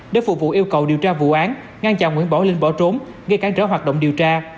để phục vụ yêu cầu điều tra vụ án ngăn chặn nguyễn bảo linh bỏ trốn gây cản trở hoạt động điều tra